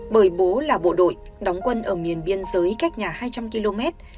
bởi bố là bộ đội đóng quân ở miền biên giới cách nhà hai trăm linh km